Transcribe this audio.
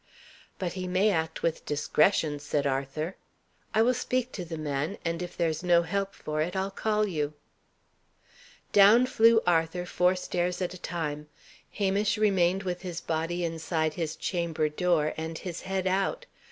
"But he may act with discretion," said Arthur. "I will speak to the man, and if there's no help for it, I'll call you." Down flew Arthur, four stairs at a time. Hamish remained with his body inside his chamber door, and his head out.